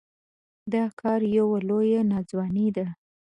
دا کار يوه لويه ناځواني ده.